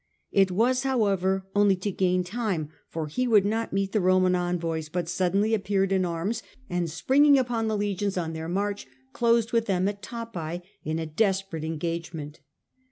It was, however, only to gain time, for he would not meet the Roman envoys, but suddenly appeared in arms, and 97 117. Trajan . 31 Springing upon the legions on their march, closed with them at Tapae in a desperate engagement.